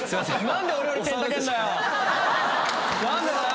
何でだよ！